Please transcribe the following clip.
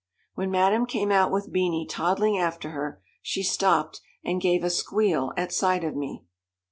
When Madame came out with Beanie toddling after her, she stopped, and gave a squeal at sight of me.